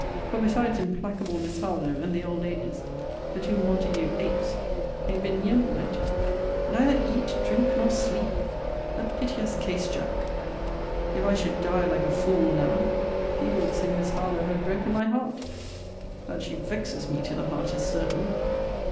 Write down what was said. For, besides implacable Miss Harlowe, and the old Ladies, the two Montague apes han't been near me yet. Neither eat, drink, nor sleep! a piteous case, Jack! If I should die like a fool now, people would say Miss Harlowe had broken my heart. That she vexes me to the heart, is certain.